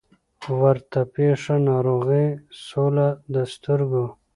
ورته پېښه ناروغي سوله د سترګو